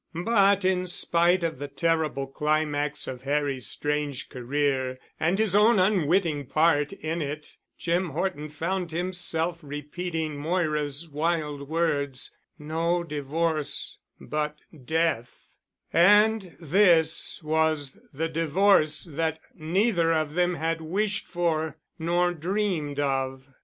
But in spite of the terrible climax of Harry's strange career and his own unwitting part in it, Jim Horton found himself repeating Moira's wild words, "No divorce—but death——" And this was the divorce that neither of them had wished for nor dreamed of.